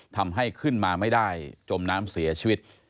ทำให้ขึ้นมาไม่ได้จมน้ำเสียชีวิต